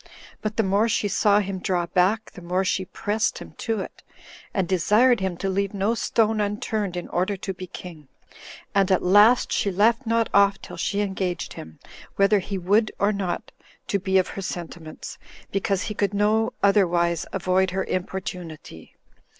But the more she saw him draw back, the more she pressed him to it, and desired him to leave no stone unturned in order to be king; and at last she left not off till she engaged him, whether he would or not, to be of her sentiments, because he could no otherwise avoid her importunity.